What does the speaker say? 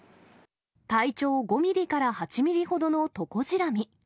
体長５ミリから８ミリほどのトコジラミ。